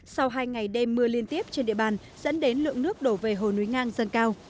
sau hai ngày đêm mưa liên tiếp trên địa bàn dẫn đến lượng nước đổ về hồ núi ngang dâng cao